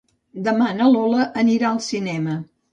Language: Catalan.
Demà na Lola anirà al cinema.